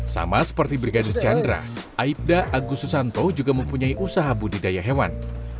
sama seperti brigadir chandra aibda agus susanto juga mempunyai usaha budidaya hewan